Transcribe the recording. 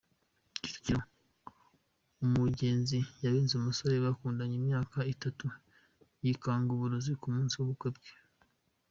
Kicukiro: Umugenzi yabenze umusore bakundanye imyaka itatu yikanga uburozi ku munsi w’ ubukwe bwe .